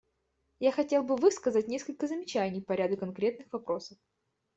Я хотел бы высказать несколько замечаний по ряду конкретных вопросов.